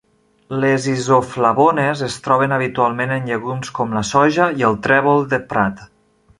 Les isoflavones es troben habitualment en llegums com la soja i el trèvol de prat.